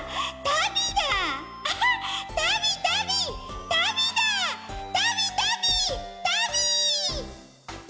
たびたびたび！